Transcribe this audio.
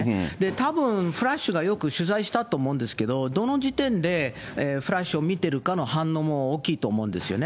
たぶんＦＬＡＳＨがよく取材したと思うんですけど、どの時点で、ＦＬＡＳＨを見てるかの反応も大きいと思うんですよね。